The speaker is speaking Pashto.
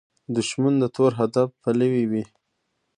دښمن د تور هدف پلوي وي